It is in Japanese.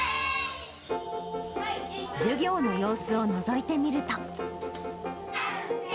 授業の様子をのぞいてみると。